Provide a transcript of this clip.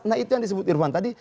nah itu yang disebut irvan tadi